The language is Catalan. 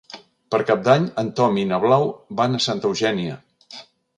Per Cap d'Any en Tom i na Blau van a Santa Eugènia.